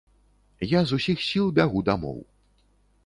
Я з усіх сіл бягу дамоў.